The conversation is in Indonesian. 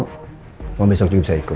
kalau besok juga bisa ikut